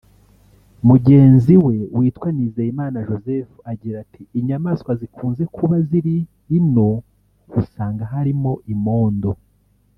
Mugenzi we witwa Nizeyimana Joseph agira ati “inyamaswa zikunze kuba ziri ino usanga hari imondo